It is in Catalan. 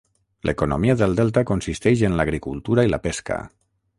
L'economia del delta consisteix en l'agricultura i la pesca.